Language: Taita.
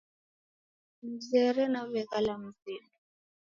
Mzere naw'eghala mzedu.